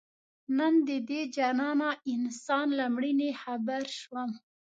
نن د دې جانانه انسان له مړیني خبر شوم